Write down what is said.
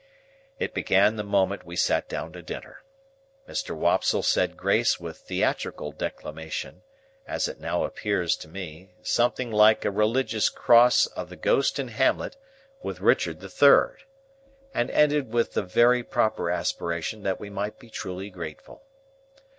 It began the moment we sat down to dinner. Mr. Wopsle said grace with theatrical declamation,—as it now appears to me, something like a religious cross of the Ghost in Hamlet with Richard the Third,—and ended with the very proper aspiration that we might be truly grateful.